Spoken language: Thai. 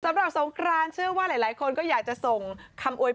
สำหรับสงครานเชื่อว่าหลายคนก็อยากจะส่งคำโวยพร